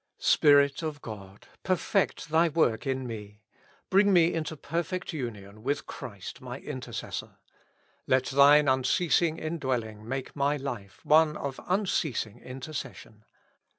Spirit of God 1 perfect Thy work in me ; bring me into perfect union with Christ my Intercessor. Let Thine unceasing indwell ing make my life one of unceasing intercession.